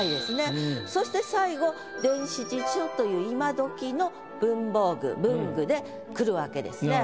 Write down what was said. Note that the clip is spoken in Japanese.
そして最後「電子辞書」という今どきの文房具文具で来るわけですね。